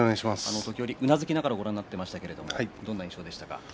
先ほど、うなずきながらご覧になっていましたがどんな印象でしたか？